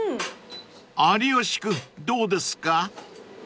［有吉君どうですか？］